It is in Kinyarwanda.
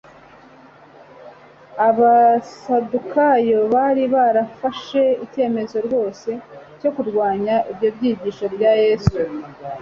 Abasadukayo bari barafashe icyemezo rwose cyo kurwanya ibyo byigisho bya Yesu.